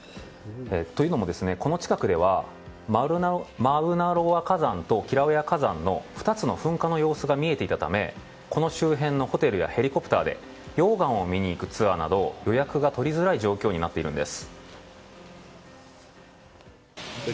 というのも、この近くではマウナロア火山とキラウエア火山の２つの噴火の様子が見えていたため、この周辺のホテルやヘリコプターで溶岩を見に行くツアーなど予約が取りづらい状況になっているんです。